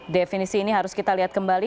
definisi ini harus kita lihat kembali